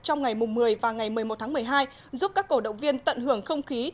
trong ngày một mươi và ngày một mươi một tháng một mươi hai giúp các cổ động viên tận hưởng không khí